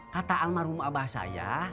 kata almarhum abah saya